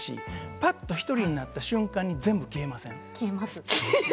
パッと１人になった瞬間に全部消えません？